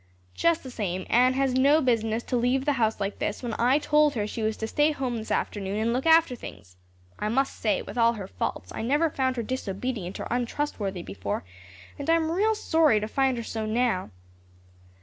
Just the same, Anne has no business to leave the house like this when I told her she was to stay home this afternoon and look after things. I must say, with all her faults, I never found her disobedient or untrustworthy before and I'm real sorry to find her so now."